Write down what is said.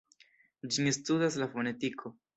Ĝin studas la fonetiko.